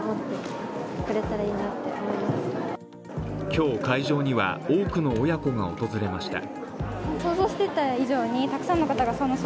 今日、会場には多くの親子が訪れました。